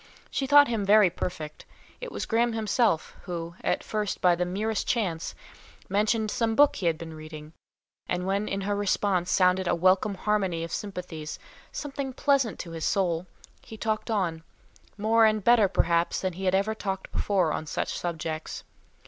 She thought him very perfect; it was Graham himself, who, at first by the merest chance, mentioned some book he had been reading, and when in her response sounded a welcome harmony of sympathies, something, pleasant to his soul, he talked on, more and better perhaps than he had ever talked before on such subjects.